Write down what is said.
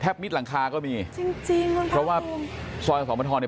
มิดหลังคาก็มีจริงจริงเพราะว่าซอยสมทรเนี่ย